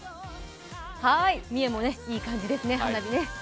三重もいい感じですね、花火ね。